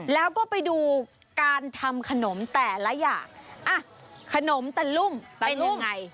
แล้วก็ไปดูการทำขนมแต่ละอย่างอ่ะขนมตะลุ่มเป็นยังไง